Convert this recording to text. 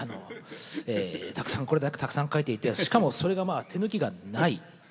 たくさんこれだけたくさん書いていてしかもそれが手抜きがない。